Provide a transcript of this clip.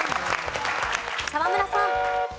沢村さん。